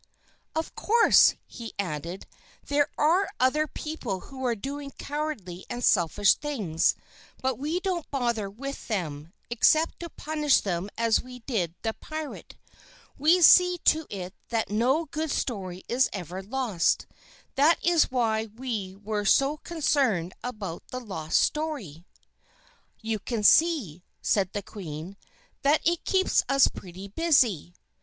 "Of course," he added, "there are other people who are doing cowardly and selfish things, but we don't bother with them, except to punish them as we did the pirate. We see to it that no good story is ever lost; that is why we were so concerned about the lost story." "You can see," said the Queen, "that it keeps us pretty busy."